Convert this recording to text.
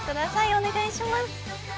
お願いします。